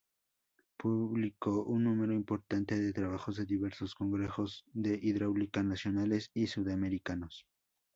Publicó un número importante de trabajos de diversos Congresos de Hidráulica Nacionales y sudamericanos.